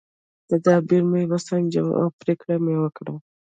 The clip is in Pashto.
تدبیر مې وسنجاوه او پرېکړه مې وکړه.